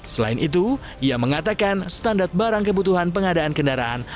selain itu ia mengatakan standar barang kebutuhan pengadaan kendaraan